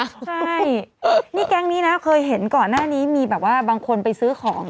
ใช่นี่แก๊งนี้นะเคยเห็นก่อนหน้านี้มีแบบว่าบางคนไปซื้อของ